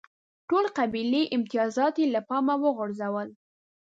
ټول قبیلوي امتیازات یې له پامه وغورځول.